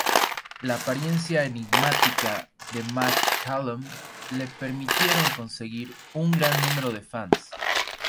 La apariencia enigmática de McCallum le permitieron conseguir un gran número de fans.